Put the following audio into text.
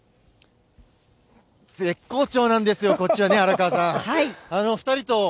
絶好調なんですよ、こちらね、荒川さん。